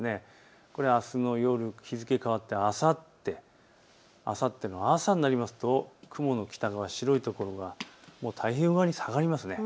これはあすの夜、日付変わってあさってあさっての朝になりますと雲の北側、白い所が太平洋側に下がりますね。